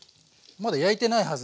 まだ焼いてないはず。